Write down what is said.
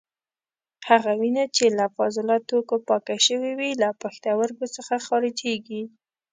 هغه وینه چې له فاضله توکو پاکه شوې وي له پښتورګو څخه خارجېږي.